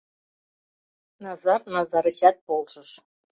Назар Назарычат полшыш.